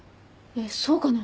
えっそうかな？